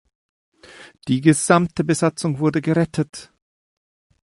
Die gesamte Besatzung wurde gerettet.